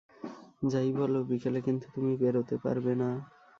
যাই বল, বিকেলে কিন্তু তুমি বেরোতে পারবে না।